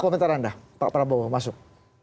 komentar anda pak prabowo masuk